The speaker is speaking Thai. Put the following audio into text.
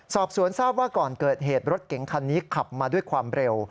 สอบสวนทราบว่าก่อนเกิดเหตุรถเก๋งคันนี้ขับมาด้วยความเร็ว